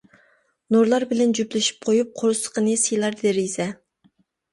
نۇرلار بىلەن جۈپلىشىپ قويۇپ، قورسىقىنى سىيلار دېرىزە.